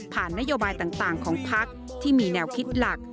นโยบายต่างของพักที่มีแนวคิดหลัก